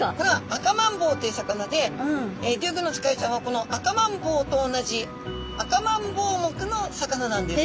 アカマンボウという魚でリュウグウノツカイちゃんはこのアカマンボウと同じアカマンボウ目の魚なんです。